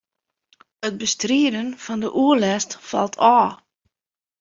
It bestriden fan de oerlêst falt ôf.